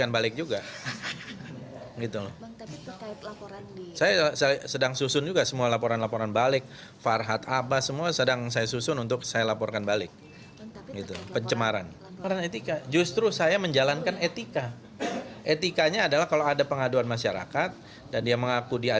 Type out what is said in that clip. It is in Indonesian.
belah saya menjalankan etika menjalankan undang undang